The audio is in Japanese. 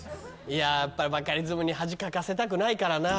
いややっぱりバカリズムに恥かかせたくないからな。